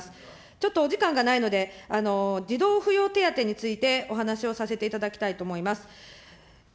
ちょっとお時間がないので、児童扶養手当についてお話をさせていただきたいと思います。